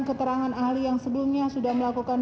keterangan ahli yang sebelumnya sudah melakukan